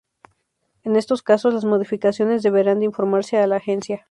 En estos casos las modificaciones deberán de informarse a la Agencia.